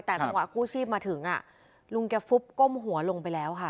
แต่จังหวะกู้ชีพมาถึงลุงแกฟุบก้มหัวลงไปแล้วค่ะ